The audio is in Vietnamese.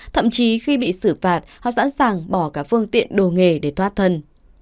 thậm chí khi bị xử phạt họ sẵn sàng bỏ cả phương tiện đồ nghề để thoát thân